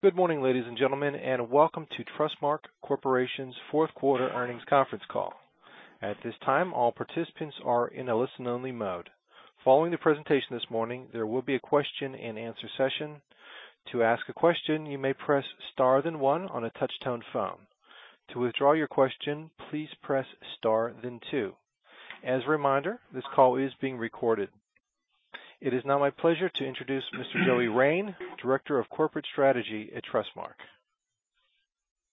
Good morning, ladies and gentlemen, and welcome to Trustmark Corporation's fourth quarter earnings conference call. At this time, all participants are in a listen-only mode. Following the presentation this morning, there will be a question and answer session. To ask a question, you may press star then one on a touchtone phone. To withdraw your question, please press star then two. As a reminder, this call is being recorded. It is now my pleasure to introduce Mr. Joey Rein, Director of Corporate Strategy at Trustmark.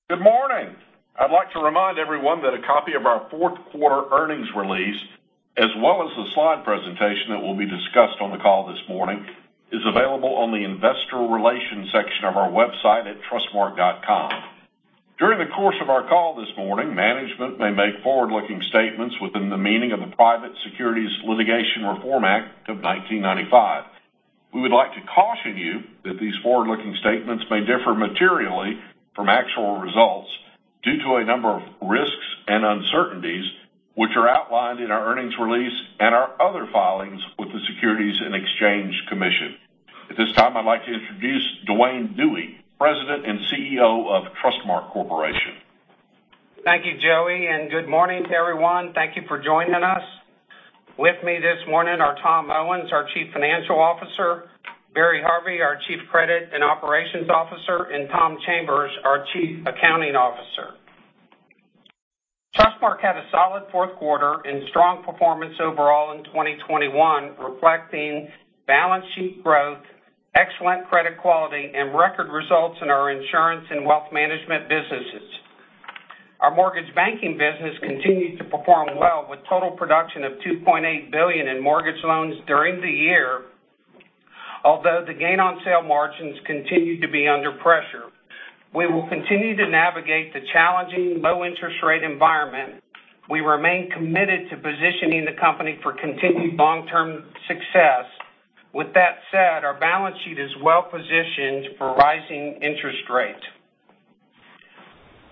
Good morning. I'd like to remind everyone that a copy of our fourth quarter earnings release, as well as the slide presentation that will be discussed on the call this morning, is available on the investor relations section of our website at trustmark.com. During the course of our call this morning, management may make forward-looking statements within the meaning of the Private Securities Litigation Reform Act of 1995. We would like to caution you that these forward-looking statements may differ materially from actual results due to a number of risks and uncertainties which are outlined in our earnings release and our other filings with the Securities and Exchange Commission. At this time, I'd like to introduce Duane Dewey, President and CEO of Trustmark Corporation. Thank you, Joey, and good morning to everyone. Thank you for joining us. With me this morning are Tom Owens, our Chief Financial Officer, Barry Harvey, our Chief Credit and Operations Officer, and Tom Chambers, our Chief Accounting Officer. Trustmark had a solid fourth quarter and strong performance overall in 2021, reflecting balance sheet growth, excellent credit quality, and record results in our insurance and wealth management businesses. Our mortgage banking business continued to perform well with total production of $2.8 billion in mortgage loans during the year. Although the gain on sale margins continued to be under pressure, we will continue to navigate the challenging low interest rate environment. We remain committed to positioning the company for continued long-term success. With that said, our balance sheet is well positioned for rising interest rates.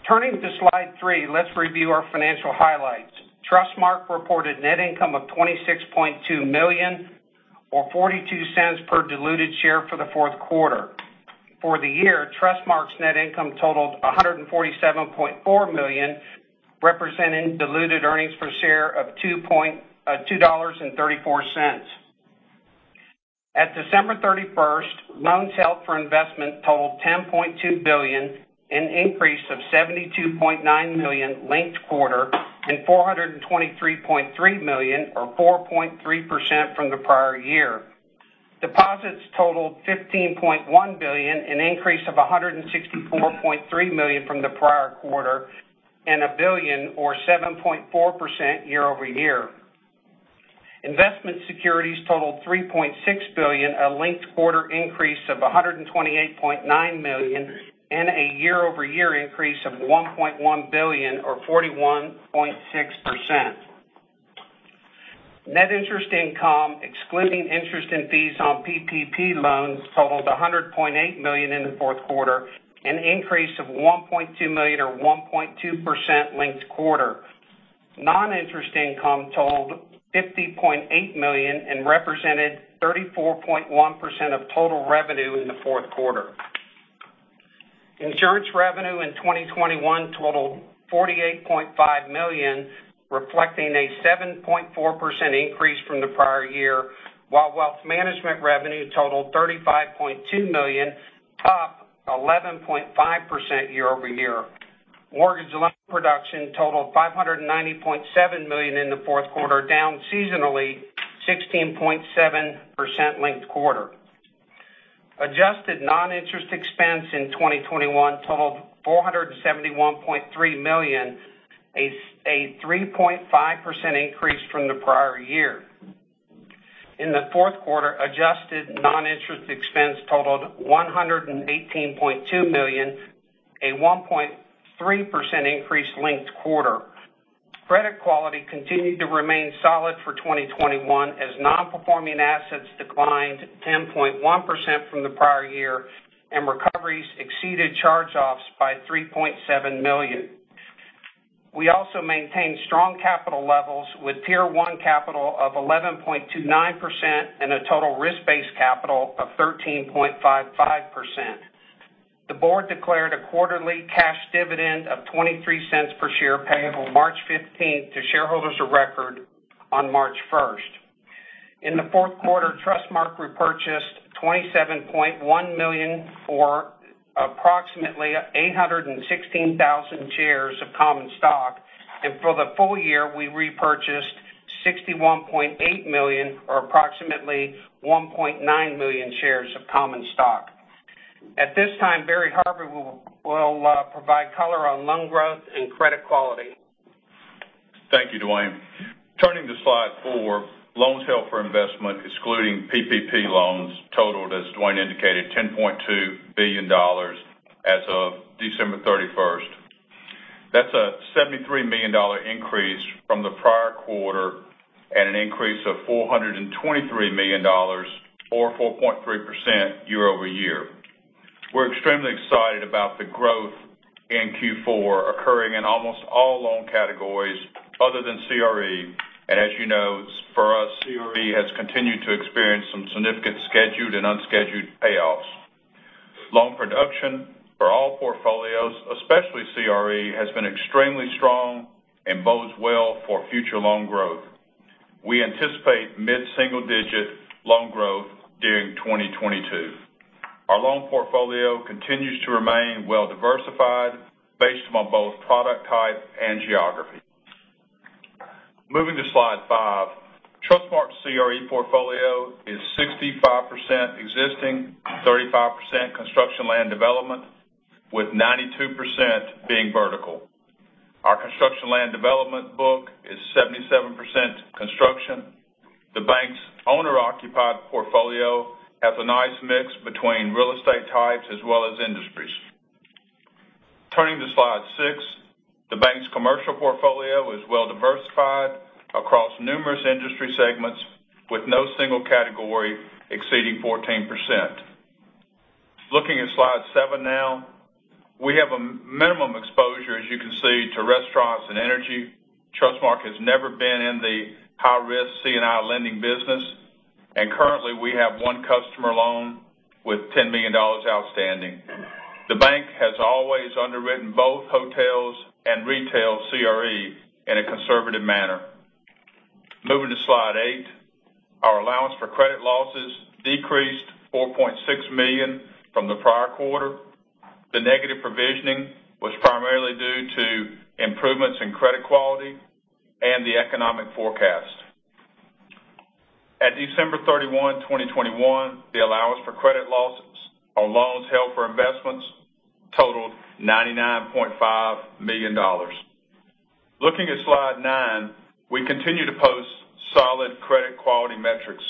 Turning to slide three, let's review our financial highlights. Trustmark reported net income of $26.2 million or $0.42 per diluted share for the fourth quarter. For the year, Trustmark's net income totaled $147.4 million, representing diluted earnings per share of $2.34. At December 31st, loans held for investment totaled $10.2 billion, an increase of $72.9 million linked quarter and $423.3 million or 4.3% from the prior year. Deposits totaled $15.1 billion, an increase of $164.3 million from the prior quarter and $1 billion or 7.4% year over year. Investment securities totaled $3.6 billion, a linked-quarter increase of $128.9 million and a year-over-year increase of $1.1 billion or 41.6%. Net interest income, excluding interest and fees on PPP loans, totaled $100.8 million in the fourth quarter, an increase of $1.2 million or 1.2% linked-quarter. Noninterest income totaled $50.8 million and represented 34.1% of total revenue in the fourth quarter. Insurance revenue in 2021 totaled $48.5 million, reflecting a 7.4% increase from the prior year, while wealth management revenue totaled $35.2 million, up 11.5% year-over-year. Mortgage loan production totaled $590.7 million in the fourth quarter, down seasonally 16.7% linked-quarter. Adjusted noninterest expense in 2021 totaled $471.3 million, a 3.5% increase from the prior year. In the fourth quarter, adjusted noninterest expense totaled $118.2 million, a 1.3% increase linked quarter. Credit quality continued to remain solid for 2021 as non-performing assets declined 10.1% from the prior year, and recoveries exceeded charge-offs by $3.7 million. We also maintained strong capital levels with Tier 1 capital of 11.29% and a total risk-based capital of 13.55%. The board declared a quarterly cash dividend of $0.23 per share, payable March 15th to shareholders of record on March 1st. In the fourth quarter, Trustmark repurchased $27.1 million for approximately 816,000 shares of common stock. For the full year, we repurchased $61.8 million or approximately 1.9 million shares of common stock. At this time, Barry Harvey will provide color on loan growth and credit quality. Thank you, Duane. Turning to slide four, loans held for investment excluding PPP loans totaled, as Duane indicated, $10.2 billion as of December 31st. That's a $73 million increase from the prior quarter and an increase of $423 million or 4.3% year-over-year. We're extremely excited about the growth in Q4 occurring in almost all loan categories other than CRE. As you know, CRE has continued to experience some significant scheduled and unscheduled payoffs. Loan production for all portfolios, especially CRE, has been extremely strong and bodes well for future loan growth. We anticipate mid-single digit loan growth during 2022. Our loan portfolio continues to remain well-diversified based on both product type and geography. Moving to slide five. Trustmark's CRE portfolio is 65% existing, 35% construction and land development, with 92% being vertical. Our construction and land development book is 77% construction. The bank's owner-occupied portfolio has a nice mix between real estate types as well as industries. Turning to slide six. The bank's commercial portfolio is well diversified across numerous industry segments, with no single category exceeding 14%. Looking at slide seven now. We have a minimum exposure, as you can see, to restaurants and energy. Trustmark has never been in the high-risk C&I lending business, and currently, we have one customer loan with $10 million outstanding. The bank has always underwritten both hotels and retail CRE in a conservative manner. Moving to slide eight. Our allowance for credit losses decreased $4.6 million from the prior quarter. The negative provisioning was primarily due to improvements in credit quality and the economic forecast. At December 31, 2021, the allowance for credit losses on loans held for investment totaled $99.5 million. Looking at slide nine. We continue to post solid credit quality metrics.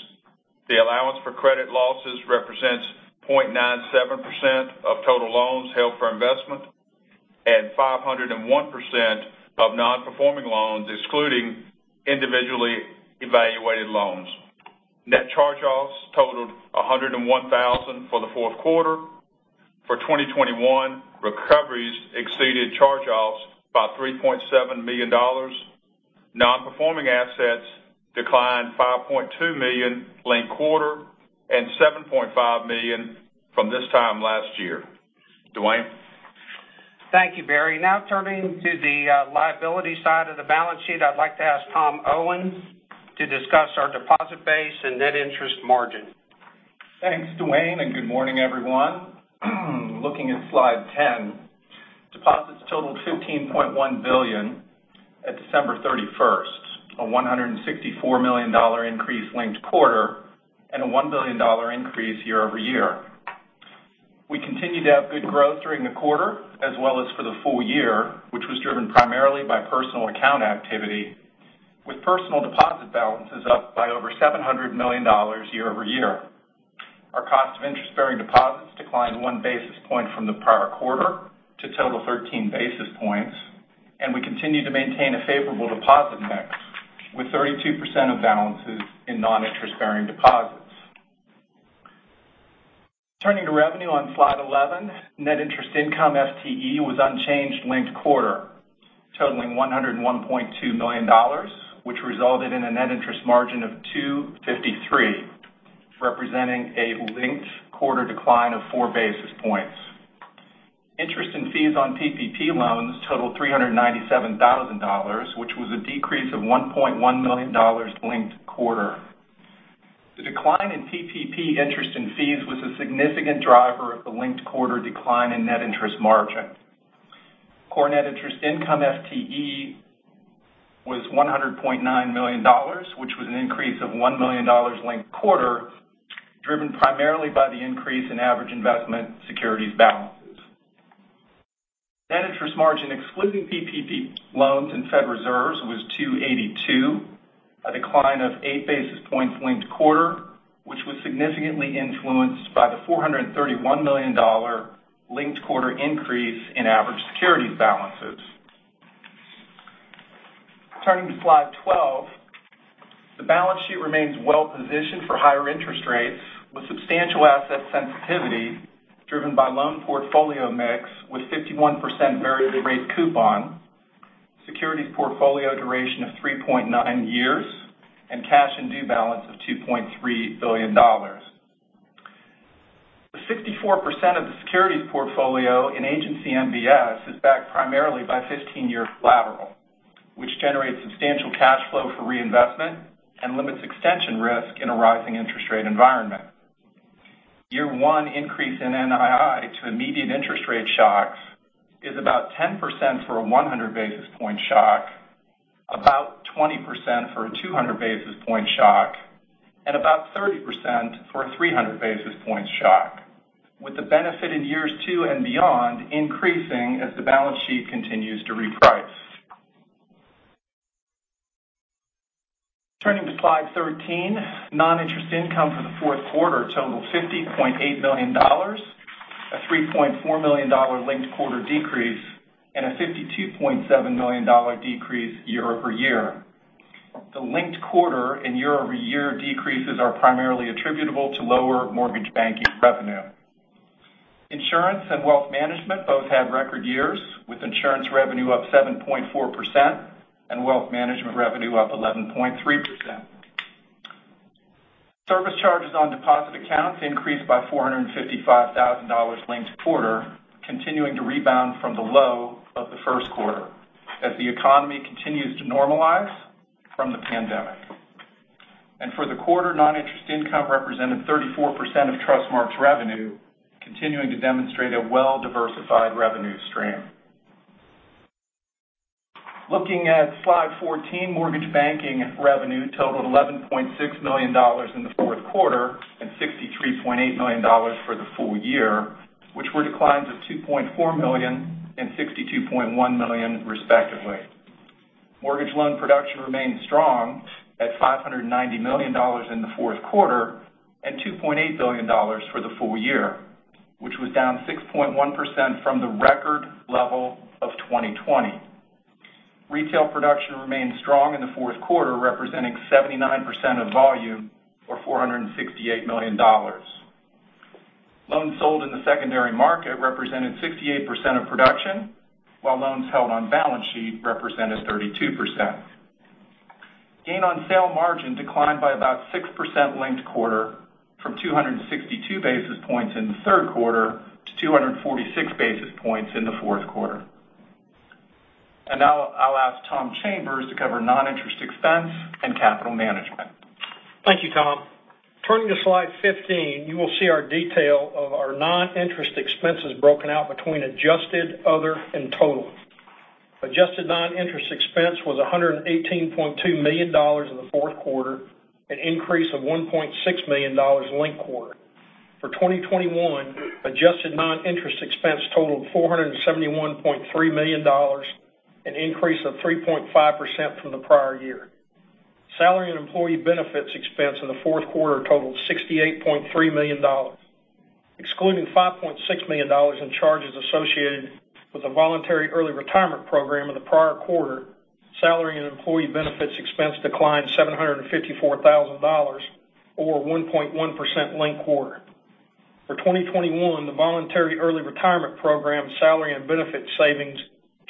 The allowance for credit losses represents 0.97% of total loans held for investment and 501% of non-performing loans, excluding individually evaluated loans. Net charge-offs totaled $101,000 for the fourth quarter. For 2021, recoveries exceeded charge-offs by $3.7 million. Non-performing assets declined $5.2 million linked quarter and $7.5 million from this time last year. Duane. Thank you, Barry. Now turning to the liability side of the balance sheet, I'd like to ask Tom Owens to discuss our deposit base and net interest margin. Thanks, Duane, and good morning, everyone. Looking at slide 10. Deposits totaled $15.1 billion at December 31st, a $164 million increase linked-quarter and a $1 billion increase year-over-year. We continued to have good growth during the quarter as well as for the full year, which was driven primarily by personal account activity, with personal deposit balances up by over $700 million year-over-year. Our cost of interest-bearing deposits declined 1 basis point from the prior quarter to total 13 basis points, and we continue to maintain a favorable deposit mix with 32% of balances in non-interest-bearing deposits. Turning to revenue on slide 11. Net interest income FTE was unchanged linked-quarter, totaling $101.2 million, which resulted in a net interest margin of 2.53%, representing a linked-quarter decline of 4 basis points. Interest and fees on PPP loans totaled $397,000, which was a decrease of $1.1 million linked-quarter. The decline in PPP interest and fees was a significant driver of the linked-quarter decline in net interest margin. Core net interest income FTE was $100.9 million, which was an increase of $1 million linked-quarter, driven primarily by the increase in average investment securities balances. Net interest margin, excluding PPP loans and Fed reserves, was 2.82%, a decline of 8 basis points linked quarter, which was significantly influenced by the $431 million linked-quarter increase in average securities balances. Turning to slide 12. The balance sheet remains well-positioned for higher interest rates, with substantial asset sensitivity driven by loan portfolio mix with 51% variable rate coupon, securities portfolio duration of 3.9 years, and cash and due-from balance of $2.3 billion. The 64% of the securities portfolio in Agency MBS is backed primarily by 15-year collateral, which generates substantial cash flow for reinvestment and limits extension risk in a rising interest rate environment. Year one increase in NII to immediate interest rate shocks is about 10% for a 100 basis point shock, about 20% for a 200 basis point shock, and about 30% for a 300 basis points shock, with the benefit in years two and beyond increasing as the balance sheet continues to reprice. Turning to slide 13. Noninterest income for the fourth quarter totaled $50.8 million, a $3.4 million linked-quarter decrease, and a $52.7 million decrease year-over-year. The linked-quarter and year-over-year decreases are primarily attributable to lower mortgage banking revenue. Insurance and wealth management both had record years with insurance revenue up 7.4% and wealth management revenue up 11.3%. Service charges on deposit accounts increased by $455,000 linked quarter, continuing to rebound from the low of the first quarter as the economy continues to normalize from the pandemic. For the quarter, noninterest income represented 34% of Trustmark's revenue, continuing to demonstrate a well-diversified revenue stream. Looking at slide 14, mortgage banking revenue totaled $11.6 million in the fourth quarter and $63.8 million for the full year, which were declines of $2.4 million and $62.1 million, respectively. Mortgage loan production remained strong at $590 million in the fourth quarter and $2.8 billion for the full year, which was down 6.1% from the record level of 2020. Retail production remained strong in the fourth quarter, representing 79% of volume or $468 million. Loans sold in the secondary market represented 68% of production, while loans held on balance sheet represented 32%. Gain on sale margin declined by about 6% linked quarter from 262 basis points in the third quarter to 246 basis points in the fourth quarter. Now I'll ask Tom Chambers to cover noninterest expense and capital management. Thank you, Tom. Turning to slide 15, you will see our details of our noninterest expenses broken out between adjusted, other, and total. Adjusted noninterest expense was $118.2 million in the fourth quarter, an increase of $1.6 million linked quarter. For 2021, adjusted noninterest expense totaled $471.3 million, an increase of 3.5% from the prior year. Salary and employee benefits expense in the fourth quarter totaled $68.3 million. Excluding $5.6 million in charges associated with a voluntary early retirement program in the prior quarter, salary and employee benefits expense declined $754,000 or 1.1% linked quarter. For 2021, the voluntary early retirement program salary and benefit savings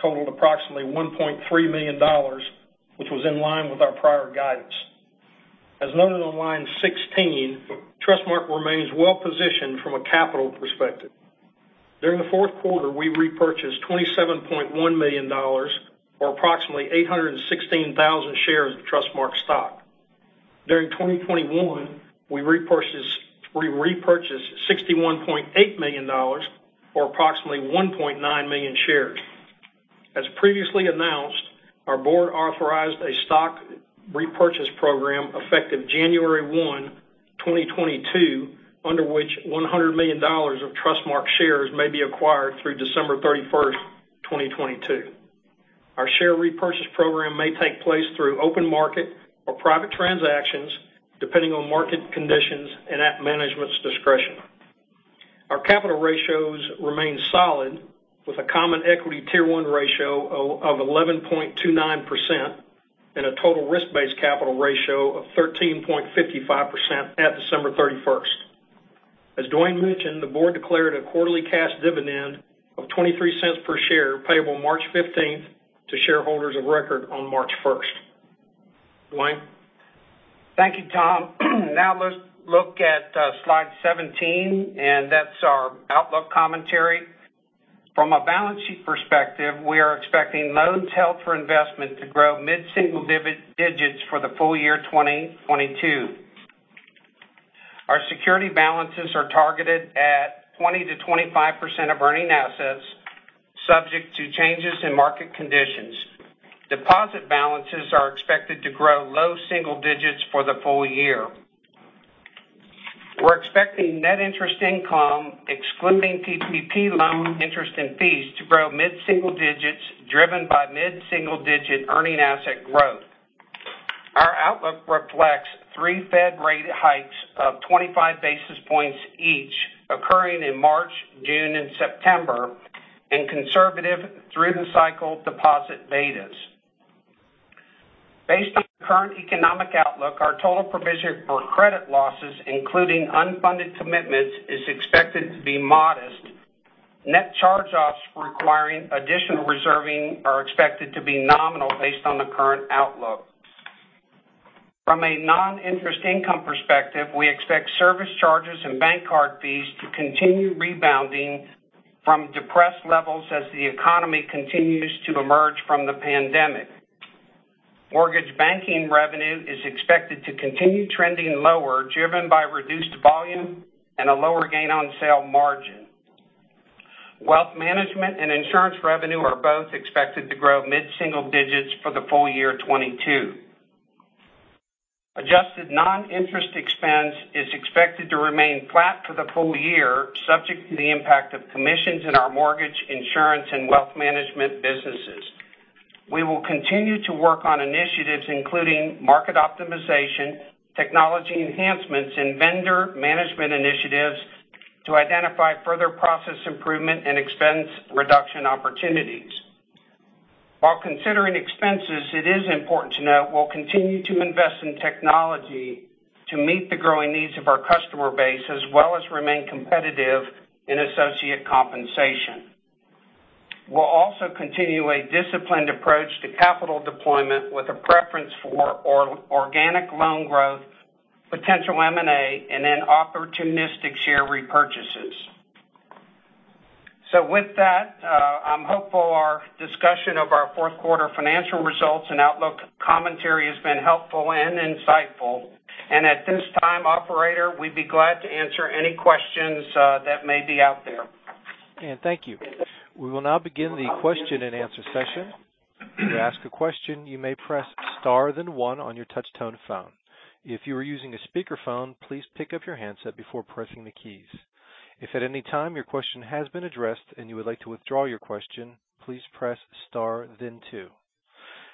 totaled approximately $1.3 million, which was in line with our prior guidance. As noted on line 16, Trustmark remains well positioned from a capital perspective. During the fourth quarter, we repurchased $27.1 million, or approximately 816,000 shares of Trustmark stock. During 2021, we repurchased $61.8 million or approximately 1.9 million shares. As previously announced, our board authorized a stock repurchase program effective January 1, 2022, under which $100 million of Trustmark shares may be acquired through December 31st, 2022. Our share repurchase program may take place through open market or private transactions, depending on market conditions and at management's discretion. Our capital ratios remain solid with a Common Equity Tier 1 ratio of 11.29% and a total risk-based capital ratio of 13.55% at December 31st. As Duane mentioned, the board declared a quarterly cash dividend of $0.23 per share payable March 15th to shareholders of record on March 1st. Duane? Thank you, Tom. Now let's look at slide 17, and that's our outlook commentary. From a balance sheet perspective, we are expecting loans held for investment to grow mid-single digits for the full year 2022. Our security balances are targeted at 20-25% of earning assets, subject to changes in market conditions. Deposit balances are expected to grow low single digits for the full year. We're expecting net interest income, excluding PPP loan interest and fees, to grow mid-single digits driven by mid-single digit earning asset growth. Our outlook reflects three Fed rate hikes of 25 basis points each occurring in March, June, and September and conservative through the cycle deposit betas. Based on current economic outlook, our total provision for credit losses, including unfunded commitments, is expected to be modest. Net charge-offs requiring additional reserving are expected to be nominal based on the current outlook. From a noninterest income perspective, we expect service charges and bank card fees to continue rebounding from depressed levels as the economy continues to emerge from the pandemic. Mortgage banking revenue is expected to continue trending lower, driven by reduced volume and a lower gain on sale margin. Wealth management and insurance revenue are both expected to grow mid-single digits for the full year 2022. Adjusted noninterest expense is expected to remain flat for the full year, subject to the impact of commissions in our mortgage, insurance, and wealth management businesses. We will continue to work on initiatives including market optimization, technology enhancements, and vendor management initiatives to identify further process improvement and expense reduction opportunities. While considering expenses, it is important to note we'll continue to invest in technology to meet the growing needs of our customer base, as well as remain competitive in associate compensation. We'll also continue a disciplined approach to capital deployment with a preference for organic loan growth, potential M&A, and then opportunistic share repurchases. With that, I'm hopeful our discussion of our fourth quarter financial results and outlook commentary has been helpful and insightful. At this time, operator, we'd be glad to answer any questions that may be out there. Thank you. We will now begin the question and answer session. To ask a question, you may press star then one on your touch tone phone. If you are using a speaker phone, please pick up your handset before pressing the keys. If at any time your question has been addressed and you would like to withdraw your question, please press star then two.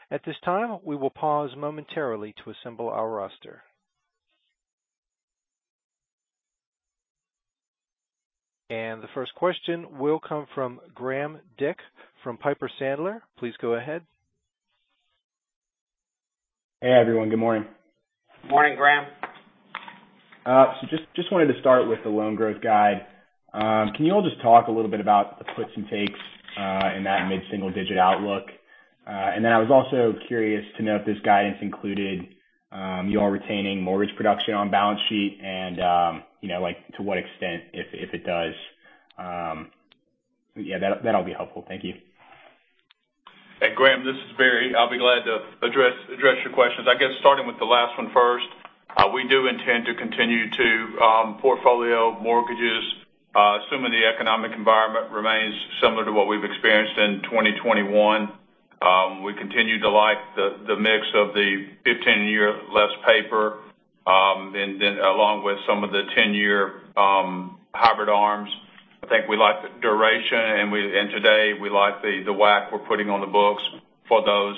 At this time, we will pause momentarily to assemble our roster. The first question will come from Graham Dick from Piper Sandler. Please go ahead. Hey, everyone. Good morning. Morning, Graham. Just wanted to start with the loan growth guide. Can you all just talk a little bit about the puts and takes in that mid-single-digit outlook? I was also curious to know if this guidance included your retaining mortgage production on balance sheet and you know, like, to what extent, if it does. Yeah, that'll be helpful. Thank you. Hey, Graham, this is Barry. I'll be glad to address your questions. I guess starting with the last one first, we do intend to continue to portfolio mortgages, assuming the economic environment remains similar to what we've experienced in 2021. We continue to like the mix of the 15-year fixed paper, and then along with some of the 10-year hybrid ARMs. I think we like the duration, and today we like the WAC we're putting on the books for those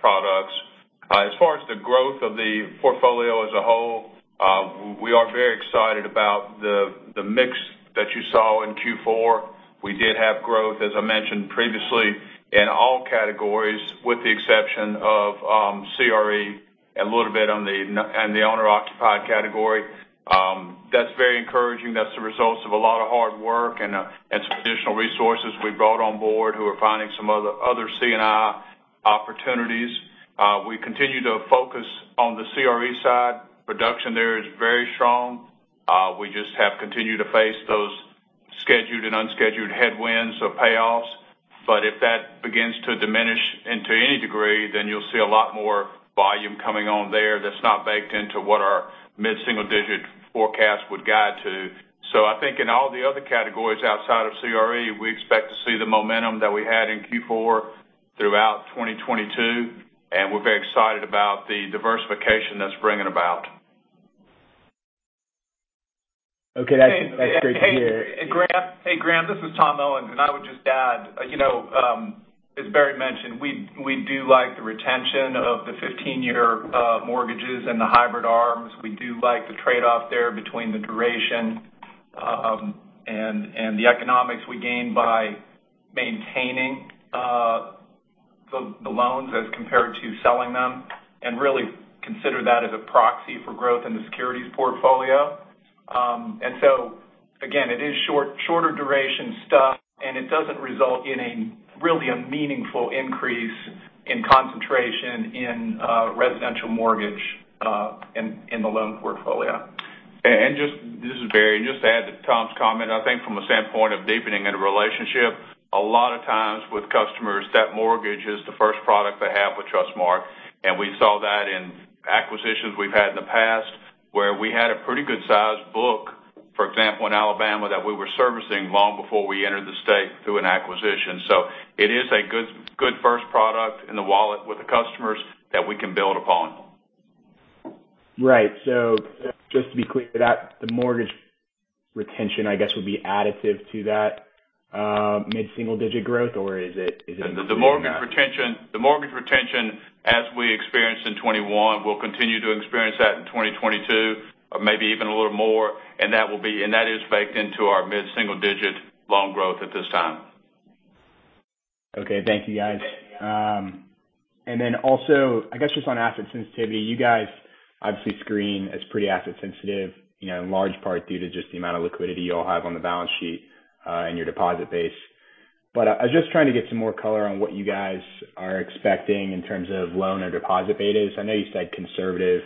products. As far as the growth of the portfolio as a whole, we are very excited about the mix that you saw in Q4. We did have growth, as I mentioned previously, in all categories, with the exception of CRE, a little bit on the and the owner-occupied category. That's very encouraging. That's the results of a lot of hard work and some additional resources we brought on board who are finding some other C&I opportunities. We continue to focus on the CRE side. Production there is very strong. We just have continued to face those scheduled and unscheduled headwinds or payoffs. If that begins to diminish into any degree, then you'll see a lot more volume coming on there that's not baked into what our mid-single digit forecast would guide to. I think in all the other categories outside of CRE, we expect to see the momentum that we had in Q4 throughout 2022, and we're very excited about the diversification that's bringing about. Okay. That's great to hear. Hey, Graham, this is Tom Owens, and I would just add, you know, as Barry mentioned, we do like the retention of the 15-year mortgages and the hybrid ARMs. We do like the trade-off there between the duration and the economics we gain by maintaining the loans as compared to selling them, and really consider that as a proxy for growth in the securities portfolio. It is shorter duration stuff, and it doesn't result in really a meaningful increase in concentration in residential mortgage in the loan portfolio. This is Barry. Just to add to Tom's comment, I think from a standpoint of deepening a relationship, a lot of times with customers, that mortgage is the first product they have with Trustmark, and we saw that in acquisitions we've had in the past, where we had a pretty good sized book, for example, in Alabama, that we were servicing long before we entered the state through an acquisition. It is a good first product in the wallet with the customers that we can build upon. Right. Just to be clear, that the mortgage retention, I guess, would be additive to that, mid-single digit growth? Or is it included in that? The mortgage retention, as we experienced in 2021, we'll continue to experience that in 2022 or maybe even a little more, and that is baked into our mid-single digit loan growth at this time. Okay. Thank you, guys. And then also, I guess, just on asset sensitivity, you guys obviously screen as pretty asset sensitive, you know, in large part due to just the amount of liquidity you all have on the balance sheet, and your deposit base. I was just trying to get some more color on what you guys are expecting in terms of loan to deposit betas. I know you said conservative,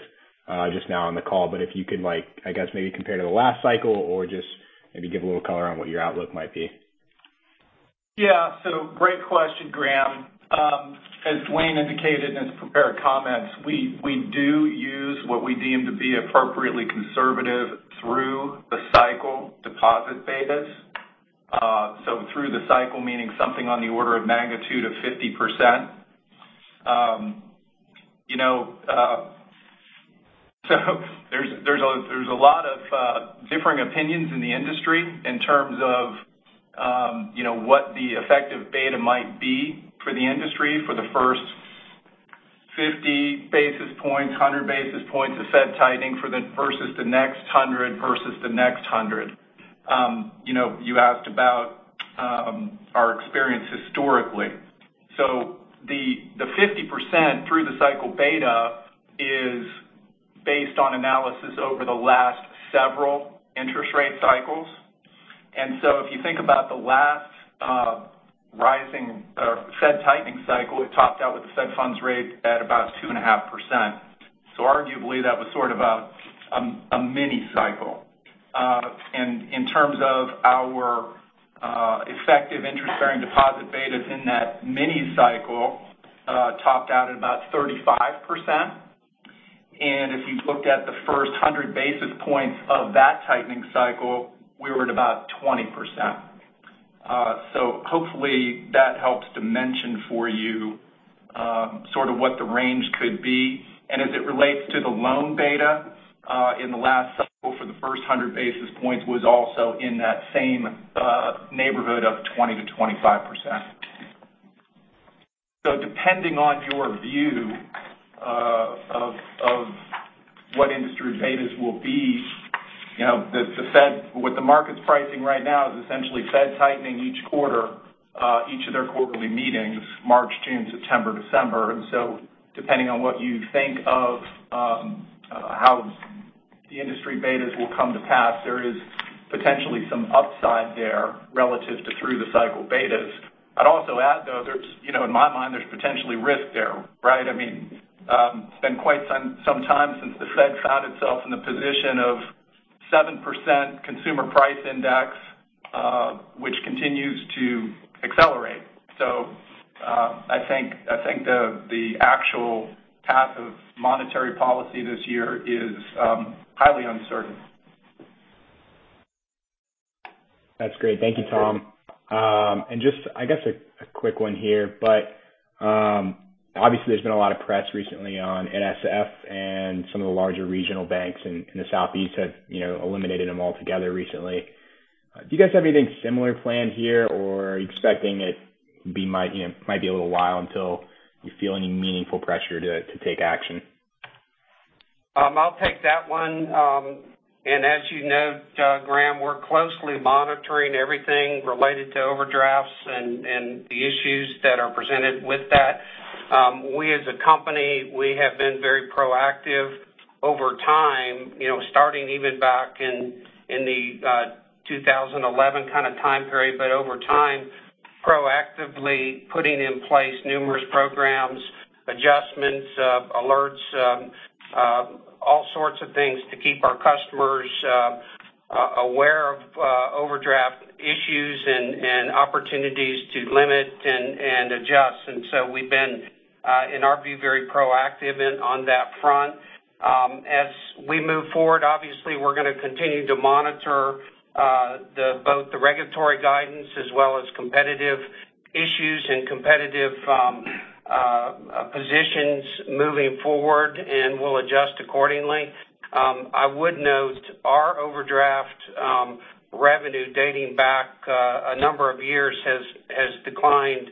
just now on the call, but if you could like, I guess maybe compare to the last cycle or just maybe give a little color on what your outlook might be. Yeah. Great question, Graham. As Duane indicated in his prepared comments, we do use what we deem to be appropriately conservative through the cycle deposit betas. Through the cycle, meaning something on the order of magnitude of 50%. You know, there's a lot of differing opinions in the industry in terms of, you know, what the effective beta might be for the industry for the first 50 basis points, 100 basis points of Fed tightening versus the next 100, versus the next 100. You know, you asked about our experience historically. The 50% through the cycle beta is based on analysis over the last several interest rate cycles. If you think about the last rising or Fed tightening cycle, it topped out with the Fed funds rate at about 2.5%. Arguably, that was sort of a mini cycle. In terms of our effective interest-bearing deposit betas in that mini cycle, topped out at about 35%. If you looked at the first 100 basis points of that tightening cycle, we were at about 20%. Hopefully that helps to mention for you, sort of what the range could be. As it relates to the loan beta, in the last cycle for the first 100 basis points was also in that same neighborhood of 20%-25%. Depending on your view of what industry betas will be, you know, the Fed, what the market's pricing right now is essentially Fed tightening each quarter, each of their quarterly meetings, March, June, September, December. Depending on what you think of how the industry betas will come to pass, there is potentially some upside there relative to through the cycle betas. I'd also add, though, you know, in my mind, there's potentially risk there, right? I mean, it's been quite some time since the Fed found itself in the position of 7% consumer price index, which continues to accelerate. I think the actual path of monetary policy this year is highly uncertain. That's great. Thank you, Tom. Just, I guess, a quick one here, but obviously there's been a lot of press recently on NSF and some of the larger regional banks in the southeast have eliminated them altogether recently. Do you guys have anything similar planned here or are you expecting it might be a little while until you feel any meaningful pressure to take action? I'll take that one. As you know, Graham, we're closely monitoring everything related to overdrafts and the issues that are presented with that. We as a company have been very proactive over time, you know, starting even back in the 2011 kind of time period, but over time, proactively putting in place numerous programs, adjustments, alerts, all sorts of things to keep our customers aware of overdraft issues and opportunities to limit and adjust. We've been, in our view, very proactive on that front. As we move forward, obviously, we're gonna continue to monitor both the regulatory guidance as well as competitive issues and competitive positions moving forward, and we'll adjust accordingly. I would note our overdraft revenue dating back a number of years has declined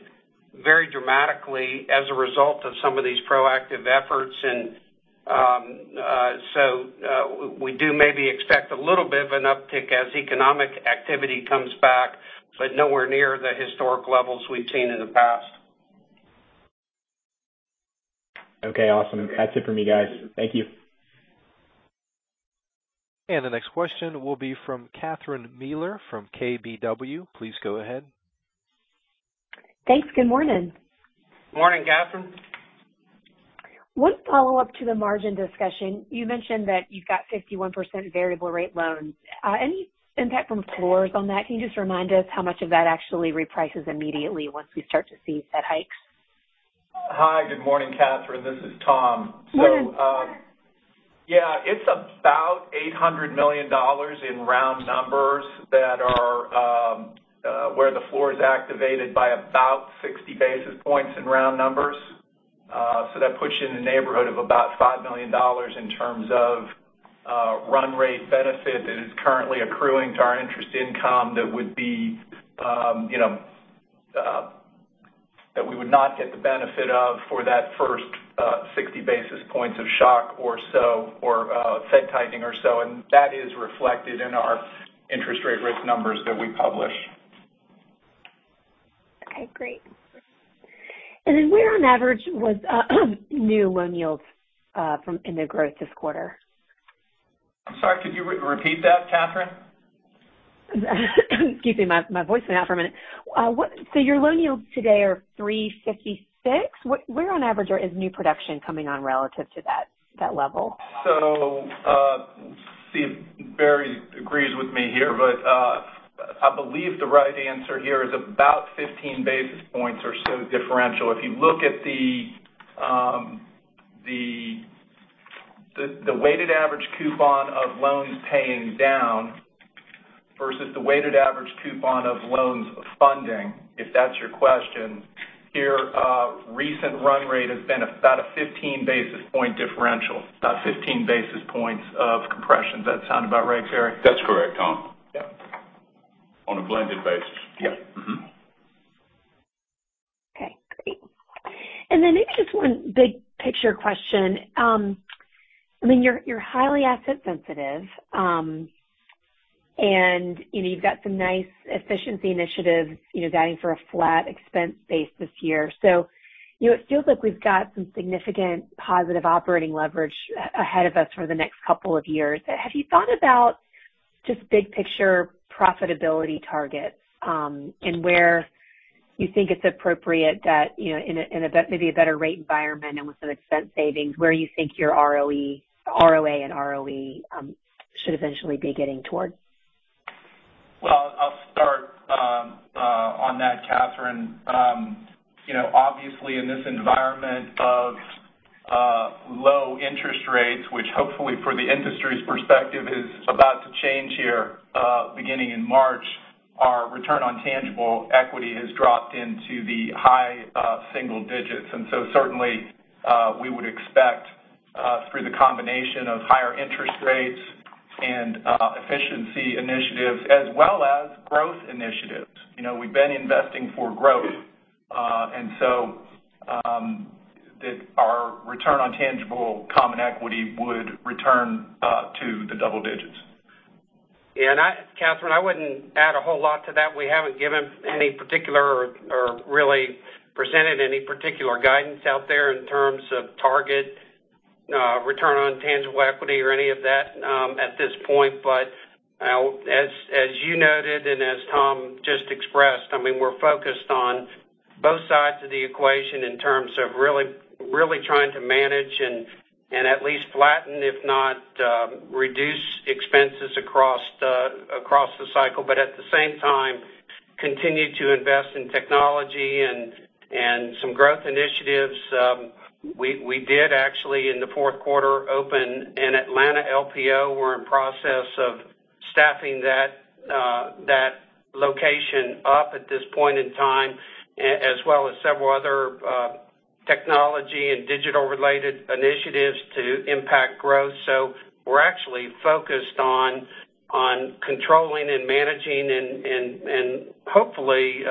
very dramatically as a result of some of these proactive efforts. We do maybe expect a little bit of an uptick as economic activity comes back, but nowhere near the historic levels we've seen in the past. Okay, awesome. That's it for me, guys. Thank you. The next question will be from Catherine Mealor from KBW. Please go ahead. Thanks. Good morning. Morning, Catherine. One follow-up to the margin discussion. You mentioned that you've got 51% variable rate loans. Any impact from floors on that? Can you just remind us how much of that actually reprices immediately once we start to see Fed hikes? Hi, good morning, Catherine. This is Tom. Morning, Tom. Yeah, it's about $800 million in round numbers that are where the floor is activated by about 60 basis points in round numbers. That puts you in the neighborhood of about $5 million in terms of run rate benefit that is currently accruing to our interest income that would be, you know, that we would not get the benefit of for that first 60 basis points of shock or so or Fed tightening or so. That is reflected in our interest rate risk numbers that we publish. Okay, great. Where on average was new loan yields from in the growth this quarter? I'm sorry, could you repeat that, Catherine? Excuse me. My voice went out for a minute. Your loan yields today are 3.56%. Where on average is new production coming on relative to that level? See if Barry agrees with me here, but I believe the right answer here is about 15 basis points or so differential. If you look at the weighted average coupon of loans paying down versus the weighted average coupon of loans funding, if that's your question, here, recent run rate has been about a 15 basis point differential, about 15 basis points of compression. Does that sound about right, Barry? That's correct, Tom. On a blended basis. Yep. Mm-hmm. Okay, great. Just one big picture question. I mean, you're highly asset sensitive, and you know, you've got some nice efficiency initiatives, you know, guiding for a flat expense base this year. You know, it feels like we've got some significant positive operating leverage ahead of us for the next couple of years. Have you thought about just big picture profitability targets, and where you think it's appropriate that, you know, in a better, maybe a better rate environment and with some expense savings, where you think your ROE, ROA, and ROE should eventually be getting towards? Well, I'll start on that, Catherine. You know, obviously, in this environment of low interest rates, which hopefully from the industry's perspective is about to change here, beginning in March, our return on tangible equity has dropped into the high single digits. Certainly, we would expect, through the combination of higher interest rates and efficiency initiatives as well as growth initiatives, you know, we've been investing for growth, that our return on tangible common equity would return to the double digits. Yeah. Catherine, I wouldn't add a whole lot to that. We haven't given any particular or really presented any particular guidance out there in terms of target return on tangible equity or any of that at this point. As you noted and as Tom just expressed, I mean, we're focused on both sides of the equation in terms of really trying to manage and at least flatten, if not reduce expenses across the cycle. At the same time, continue to invest in technology and some growth initiatives. We did actually, in the fourth quarter, open an Atlanta LPO. We're in process of staffing that location up at this point in time, as well as several other technology and digital related initiatives to impact growth. We're actually focused on controlling and managing and hopefully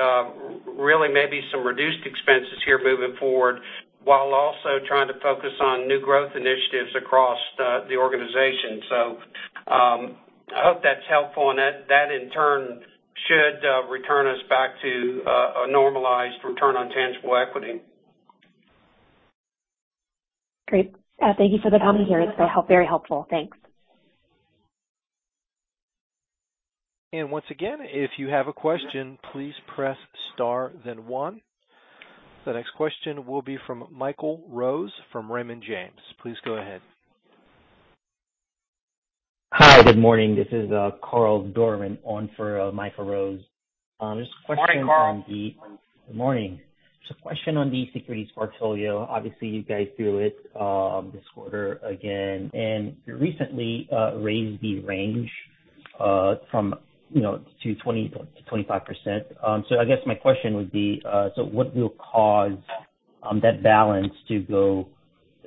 really maybe some reduced expenses here moving forward, while also trying to focus on new growth initiatives across the organization. I hope that's helpful. That in turn should return us back to a normalized return on tangible equity. Great. Thank you for the commentary. That helped, very helpful. Thanks. Once again, if you have a question, please press star then one. The next question will be from Michael Rose from Raymond James. Please go ahead. Hi. Good morning. This is Carl Doirin on for Michael Rose. Just a question on the- Morning, Carl. Good morning. Just a question on the securities portfolio. Obviously, you guys grew it this quarter again, and you recently raised the range from, you know, to 20%-25%. I guess my question would be, so what will cause that balance to go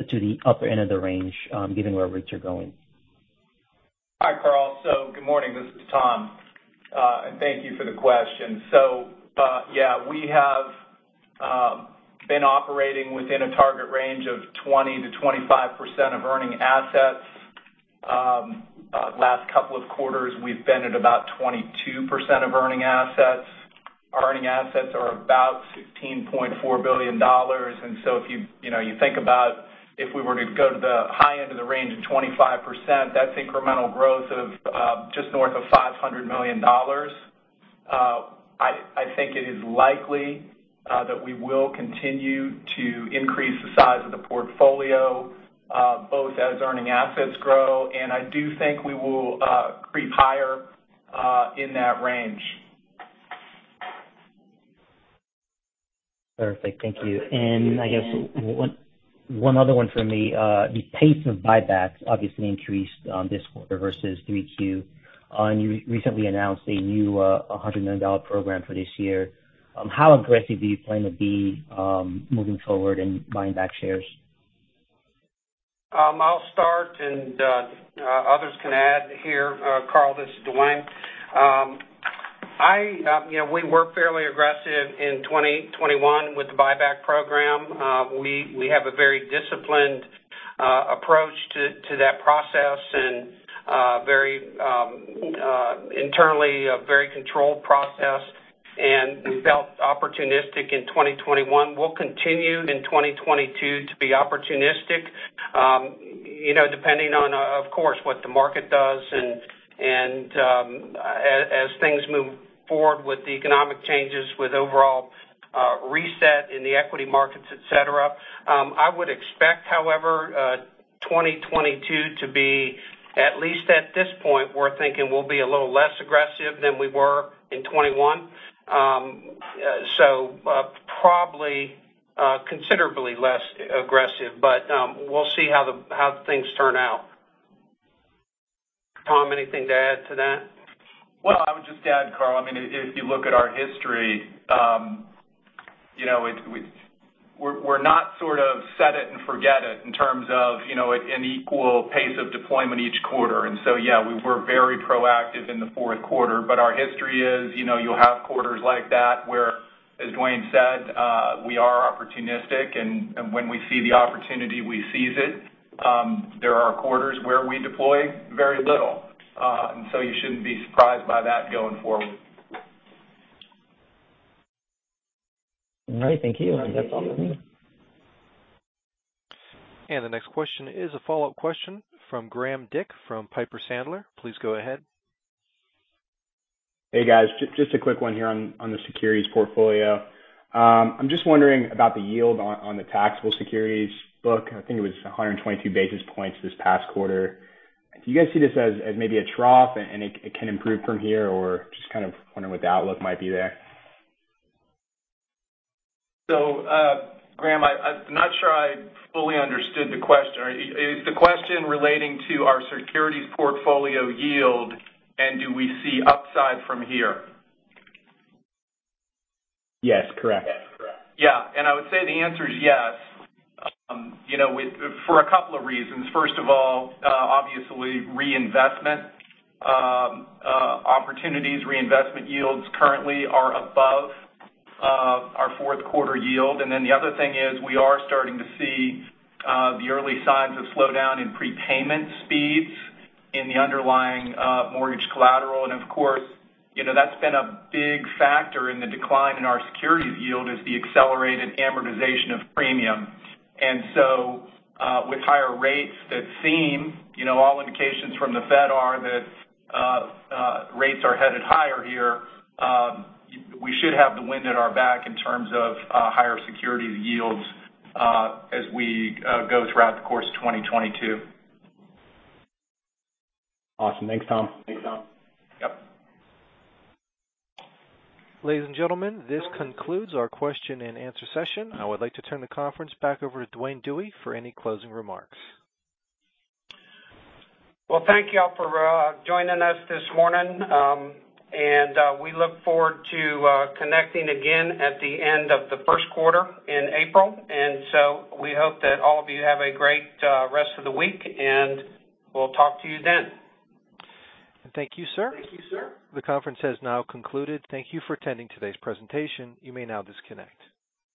to the upper end of the range given where rates are going? Hi, Carl. Good morning. This is Tom. Thank you for the question. Yeah, we have been operating within a target range of 20%-25% of earning assets. Last couple of quarters, we've been at about 22% of earning assets. Our earning assets are about $16.4 billion. If you know, you think about if we were to go to the high end of the range of 25%, that's incremental growth of just north of $500 million. I think it is likely that we will continue to increase the size of the portfolio, both as earning assets grow, and I do think we will creep higher in that range. Perfect. Thank you. I guess one other one for me. The pace of buybacks obviously increased this quarter versus 3Q. You recently announced a new $100 million program for this year. How aggressive do you plan to be moving forward in buying back shares? I'll start and others can add here. Carl, this is Duane. You know, we were fairly aggressive in 2021 with the buyback program. We have a very disciplined approach to that process and very internally a very controlled process, and we felt opportunistic in 2021. We'll continue in 2022 to be opportunistic. You know, depending on, of course, what the market does and as things move forward with the economic changes with overall reset in the equity markets, et cetera. I would expect, however, 2022 to be, at least at this point, we're thinking we'll be a little less aggressive than we were in 2021. So, probably considerably less aggressive, but we'll see how things turn out. Tom, anything to add to that? Well, I would just add, Carl, I mean, if you look at our history, you know, we're not sort of set it and forget it in terms of, you know, an equal pace of deployment each quarter. Yeah, we were very proactive in the fourth quarter. Our history is, you know, you'll have quarters like that where, as Duane said, we are opportunistic and when we see the opportunity, we seize it. There are quarters where we deploy very little, and so you shouldn't be surprised by that going forward. All right. Thank you. That's all for me. The next question is a follow-up question from Graham Dick from Piper Sandler. Please go ahead. Hey, guys. Just a quick one here on the securities portfolio. I'm just wondering about the yield on the taxable securities book. I think it was 122 basis points this past quarter. Do you guys see this as maybe a trough and it can improve from here or just kind of wondering what the outlook might be there? Graham, I'm not sure I fully understood the question. Is the question relating to our securities portfolio yield and do we see upside from here? Yes, correct. Yeah. I would say the answer is yes. You know, for a couple of reasons. First of all, obviously reinvestment opportunities. Reinvestment yields currently are above our fourth quarter yield. Then the other thing is we are starting to see the early signs of slowdown in prepayment speeds in the underlying mortgage collateral. Of course, you know, that's been a big factor in the decline in our securities yield, is the accelerated amortization of premium. With higher rates that seem, you know, all indications from the Fed are that rates are headed higher here, we should have the wind at our back in terms of higher securities yields as we go throughout the course of 2022. Awesome. Thanks, Tom. Yep. Ladies and gentlemen, this concludes our question-and-answer session. I would like to turn the conference back over to Duane Dewey for any closing remarks. Well, thank y'all for joining us this morning. We look forward to connecting again at the end of the first quarter in April. We hope that all of you have a great rest of the week, and we'll talk to you then. Thank you, sir. The conference has now concluded. Thank you for attending today's presentation. You may now disconnect.